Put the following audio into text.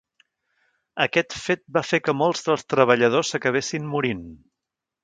Aquest fet va fer que molts dels treballadors s'acabessin morint.